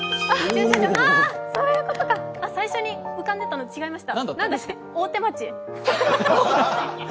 そういうことか、最初に浮かんでいたの違いました。